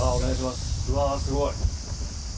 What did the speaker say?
うわー、すごい。